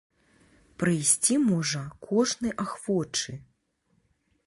Прыйсці можа кожны ахвочы!